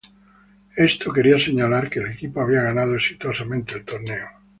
Esto quería señalar que el equipo había ganado exitosamente el torneo.